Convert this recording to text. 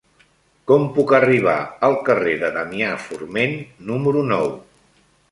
Com puc arribar al carrer de Damià Forment número nou?